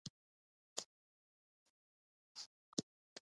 هغوی د ایران پر ضد پوځي مرسته وکړي.